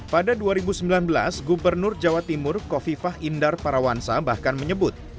pada dua ribu sembilan belas gubernur jawa timur kofifah indar parawansa bahkan menyebut